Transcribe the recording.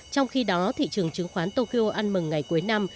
trong khi đó thị trường chứng khoán tokyo ăn mừng ngày cuối năm